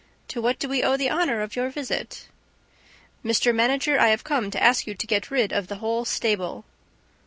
"To what do we owe the honor of your visit?" "Mr. Manager, I have come to ask you to get rid of the whole stable."